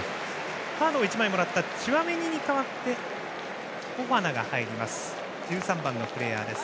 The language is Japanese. カードを１枚もらったチュアメニに代わってフォファナが入ります。